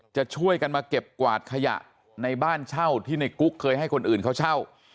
จะช่วยกันมาเก็บกวาดขยะในบ้านเช่าที่ในกุ๊กเคยให้คนอื่นเขาเช่า